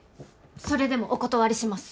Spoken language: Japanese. それでもお断りします